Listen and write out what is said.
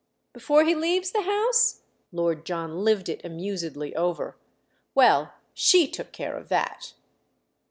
"Before he leaves the house?" Lord John lived it amusedly over. "Well, she took care of that."